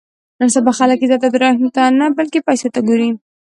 نن سبا خلک عزت او درنښت ته نه بلکې پیسو ته ګوري.